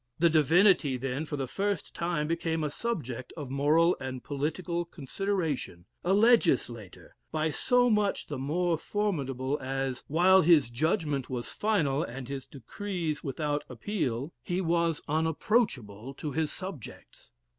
The divinity then, for the first time, became a subject of moral and political consideration, a legislator, by so much the more formidable as, while his judgment was final and his decrees without appeal, he was unapproachable to his subjects.